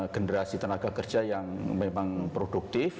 generasi tenaga kerja yang memang produktif